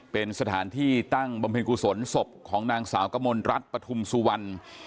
เป็นสถานที่ตั้งบำเพ็ญกุศลศพของนางสาวกมลรัฐปฐุมสุวรรณ